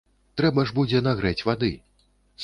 Трэба ж будзе нагрэць вады.